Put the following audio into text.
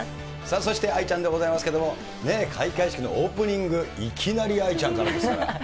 そして愛ちゃんでございますけれども、開会式のオープニング、いきなり愛ちゃんからですから。